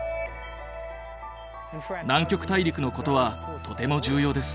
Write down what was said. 南極大陸のことはとても重要です。